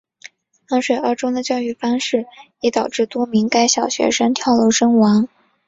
衡水二中的教育方式已导致多名该校学生跳楼身亡。